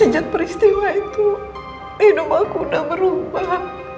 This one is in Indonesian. rose sejak peristiwa itu hidup aku udah berubah